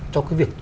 cho cái việc